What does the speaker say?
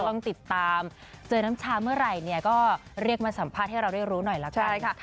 ต้องติดตามเจอน้ำชาเมื่อไหร่เนี่ยก็เรียกมาสัมภาษณ์ให้เราได้รู้หน่อยละกันค่ะ